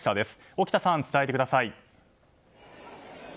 沖田さん、伝えてください。